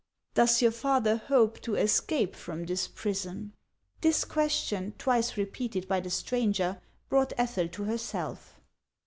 "Does your father hope to escape from this prison?" This question, twice repeated by the stranger, brought Ethel to herself.